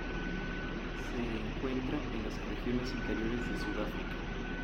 Se encuentra en las regiones interiores de Sudáfrica.